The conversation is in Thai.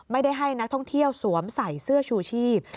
ให้นักท่องเที่ยวสวมใส่เสื้อชูชีพ